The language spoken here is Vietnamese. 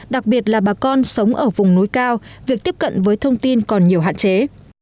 đặc biệt là bà con sống ở vùng núi cao việc tiếp cận với thông tin còn nhiều hạn chế